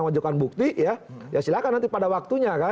wajukan bukti ya ya silahkan nanti pada waktunya